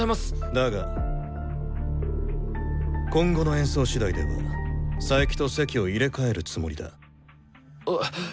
だが今後の演奏しだいでは佐伯と席を入れ替えるつもりだ。